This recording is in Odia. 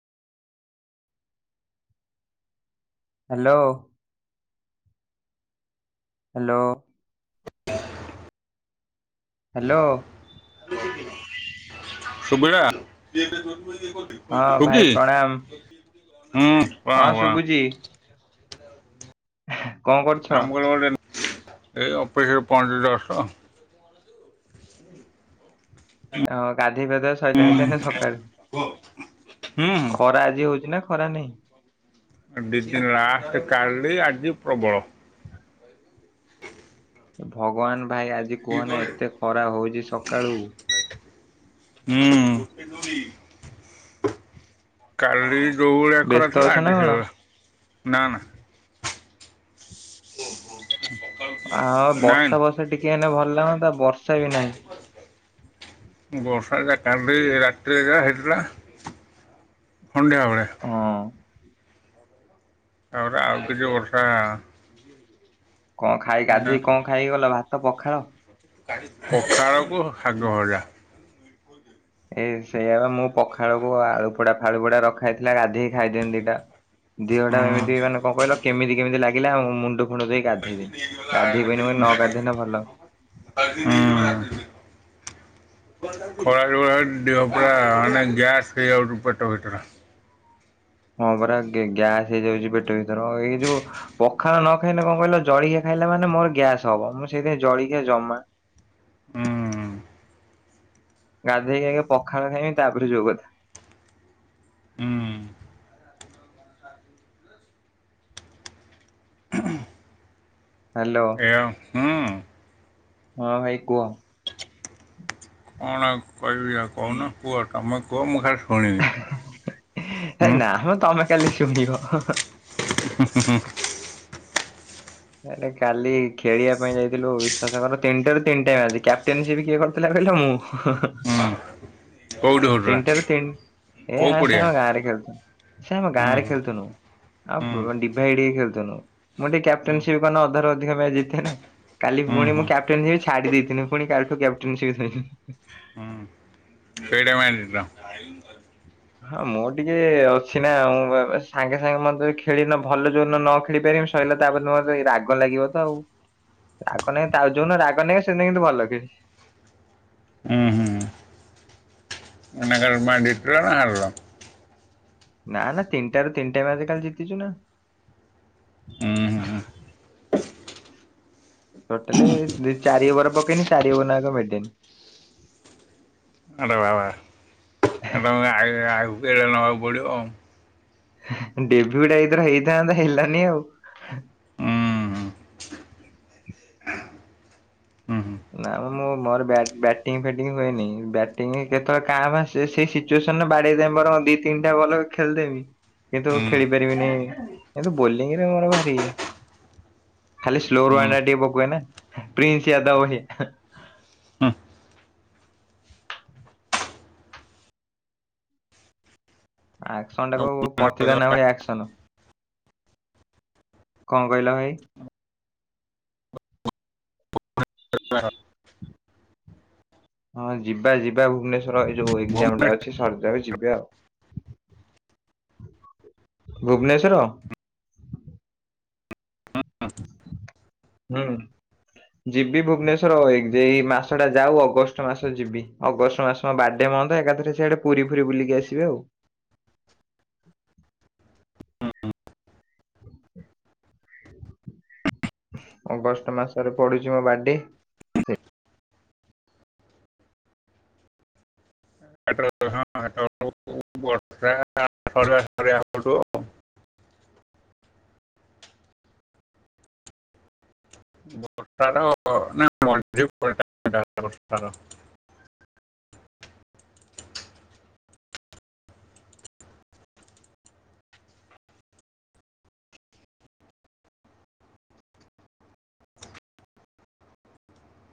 ହାଲୋ। ହାଲୋ। ହାଲୋ। ଶୁଭିଲା? ହଁ ଭାଇ ପ୍ରଣାମ। ହଁ [unintelligible] ଶୁଭୁଛି ହ ଆମ କହିଲ ଗୋଟେ, ଏଇ ଅଫିସିରେ ପହଞ୍ଚିଲି ଜଷ୍ଟ। ହ ଗାଧେଇ ପାଦୂଆ ସ ଇଲାଣି ତାେ ସକାଳୁ, ହୁଁ ଖରା ଆଜି ହଉଛି ନା ଖରା ନାଇଁ? ଦି ଦିନ ଲାଷ୍ଟ କାଲି ଆଜି ପ୍ରବଳ। ହ ଭଗବାନ ଭାଇ ଆଜି କୁହନା ଏତେ ଖରା ହଉଛି ସକାଳୁ। ହୁଁ, କାଲି ଯୋଉଭଳିଆ ଖରା ବ୍ୟସ୍ତ ଥିଲା ଅଛ ନା ଆଜି କଣ? ସେଇ ଭାଲିଆ। ନା ନା ନାଇ। ସେ ଟିକେ ହେନେ ଭଲ ଲାଗନ୍ତା ବର୍ଷା ବି ହେଲା ନି। ବର୍ଷା ଯା କାଲି ରାତିରେ ଯାହା ହେଇଥିଲା। ସନ୍ଧ୍ୟା ବେଳେ। ହଁ। ତା ପରେ ଆଉ କିଛି ବର୍ଷା କଣ ଖାଇ ମାନେ ଗାଧେଇ କଣ ଖାଇକି ଗଲ ଭାତ ପଖାଳ? ପଖାଳ କୁ ସାଗ ଭଜା। ଏଇ ସେଇଆ ବା ମୁଁ ପଖାଳକୁ ଆଳୁପୋଡା ଫାଳୁ ପୋଡା ରଖା ହେଇଥିଲା, ଗାଧେଇ ଖାଇ ଦିଅନ୍ତି ଦିଟା। ଦେହଟା ଏମିତି ମାନେ କଣ କହିଲ କେମତି କେମତି ଲାଗିଲା ମୁଣ୍ଡ ମୁଣ୍ଡ ଦେଇ ଗାଧେଇଲି। ଗାଧେଇ ପଇଲି ନ ଗାଧୋଇଲେ ଭଲ ହଁ। ଖରା ଯୋଉ ଭାଲିଆ ହୋଉଛି ଦେହ ପୁରା ଗ୍ୟାସ୍ ହେଇ ଯାଉଛି ପେଟ ଭିତରେ। ହଁ ପରା ଗ୍ୟାସ୍ ହେଇଯାଉଛି ପେଟ ଭିତର ଏଇ ଯୋଉ ପଖାଳ ନ ଖାଇଲେ କଣ କହିଲ ଜଳିଖିଆ ଖାଇଲେ ମାନେ ମୋର ଗ୍ୟାସ୍ ହବ। ମୁଁ ସେଇଥି ଜଳିଖିଆ ଜମା। ହୁଁ ଗାଧେଇକି ଆଗେ ପଖାଣ ଖାଇବି ତାପରେ ଯୋଉ କଥା। ହୁଁ ହାଲୋ। ଏଅ ହୁଁ। ହଁ ଭାଇ କୁହ? କଣ ଆଉ କହିବି ଆଉ କହୁନ କୁହ ତମେ କୁହ ମୁଁ ଖାଲି ଶୁଣିବି। ହେ ହୁଁ ନା ମ ତମେ କାଲି ଶୁଣିବ। ହୁଁ ହୁଁ ହୁଁ ଏ କାଲି ଖେଳିବା ପାଇଁ ଯାଇଥିଲୁ ବିଶ୍ଵାସ କର ତିନିଟା ର ତିନିଟାଇଜି କ୍ୟାପ୍ଟେନସି ବି କିଏ କହନି [unintelligible] ହୁଁ କେଉଁଠି ହେଉଥିଲା ତିନିଟାରୁ ତିନ ଏ କେଉଁ ଆମେ ପଡ଼ିଆ ସବୁ ଗାଁରେ ଖେଳୁଛୁ। ସେ ଆମ ହୁଁ ଗାଁରେ ହୁଁ ଖେଳଥୁନୁ। ହୁଁ ଆଉ ଡିଭାଇଡ୍ ଖେଳୁଥିଲୁ। ମୁଁ ଟିକେ ହୁଁ [unintelligible] ଅଧା ରୁ ଅଧିକ ମ୍ୟାଚ୍ ଜିତେ ନାଁ କାଲି ହୁଁ ପୁଣି ମୁଁ ହୁଁ ହୁଁ କ୍ୟାପଟେନସିପ୍ ଛାଡି ଦେଇଥିଲିନି। ପୁଣି କାଲିଠୁ କ୍ୟାପଟେନସିପ୍ [unintelligible] [inaudible] [inaudible] ହଁ ମୁଁ ଟିକେ ଅଛି ନା ସାଙ୍ଗେ ସାଙ୍ଗେ ମ ଖେଳିନ ଭଲ ଯୋଉନ ନ ଖେଳି ପାରିବି ଶୋଇଲା ତାପରେ ତମର ଏଇ ରାଗ ଲାଗିବ ତ ଆଉ ରାଗ ନାହିଁ ତା ଆଉ ଯୋଉ ନ ରାଗ ନାହିଁ ସେ ଇନ କିନ୍ତୁ ଭଲ କିଛି ଉଁ ହୁଁ। ନା ଜିତ୍ଲ ନା ହାର୍ଲ ନା ନା ତିନିଟା ର ତିନିଟା ମେଚ୍ କାଲି ଜିତିଛୁ ନା ହୁଁ ହୁଁ ହୁଁ ଟୋଟାଲି ଦି ଚାରି ଓଭର ପକେଇନି ଚାରି ଓଭର ନ [unintelligible] ଆଡ଼େ ବା ବା [unintelligible] ନଆକୁ ପଡିବ ଆଉ ଡେବ୍ୟୁ ଟା ଏଇଥର ହେଇଥାନ୍ତା ହେଲାନି ଆଉ ହୁଁ ହୁଁ ହୁଁ ନା ମୁଁ ମୋର ବ୍ୟାଟ୍ ବ୍ୟାଟିଂ ଫେଟିଙ୍ଗ ହୁଏନି ବ୍ୟାଟିଂ କେତେବେଳେ କାଁ ଭାଁସ୍ ଯେ ସେ ସେଇ ସିଚୁଏସନ ରେ ବାଡେଇଦମି ବର ଦି ତିନିଟା ବଲ ଖେଳିଦେମି କିନ୍ତୁ ଖେଳି ପାରିବିନି କିନ୍ତୁ ବୋଲିଙ୍ଗ ରେ ମୋର ଭାରି ଖାଲି ସ୍ଲୋର ୱାଇଣ୍ଡ ଟିକେ ପକଉ ନା ପ୍ରିନ୍ସ ୟାଦବହି [inaudible] ହୁଁ ଆକ୍ସନ ଟା ହୁଁ କହବୁ ପକ୍ଷି ଦାନା ଭଳି ଆକ୍ସନ କଣ କହିଲ ଭାଇ [unintelligible] ହଁ ଯିବା ଯିବା ଭୁବନେଶ୍ଵର ଏଇ ଯୋଉ ଏକ୍ଜାମ ହୁଁ ଟା ଅଛି ସରିିଯାଉ ଯିବା ଆଉ ଭୁବନେଶ୍ଵର ନୁଁ। ଯିବି ଭୁବନେଶ୍ଵର ଏକ ଦୁଇ ମାସ ଟା ଯାଉ ଅଗଷ୍ଟ ମାସ ଯିବି ଅଗଷ୍ଟ ମାସ ହଁ [unintelligible] ଏକାଥରେ ସିଆଡେ ପୁରୀ ଫୁରି ବୁଲିକି ଆସିବେ ଆଉ [inaudible] ଅଗଷ୍ଟ ମାସରେ ପଡୁଛି ମୋ ବାର୍ଥଡେ ହାଟ ହଁ ହାଟ [inaudible] [unintelligible]